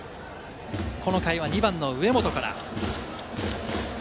この回は２番の上本から。